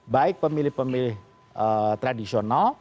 baik pemilih pemilih tradisional